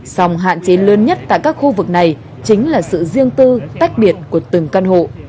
sòng hạn chế lớn nhất tại các khu vực này chính là sự riêng tư tách biệt của từng căn hộ